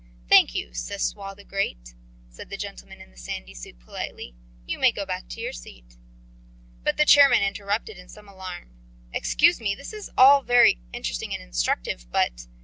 "Thank you, Sesoi the Great," said the gentleman in the sandy suit politely. "You may go back to your seat." But the chairman interrupted in some alarm: "Excuse me. This is all very interesting and instructive, but